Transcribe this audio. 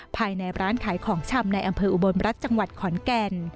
ภายในร้านขายของชำในอำเภออุบลรัฐจังหวัดขอนแก่น